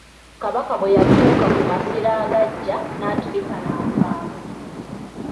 Kabaka bwe yatuuka ku masiro agaggya n'atulika n'akaaba.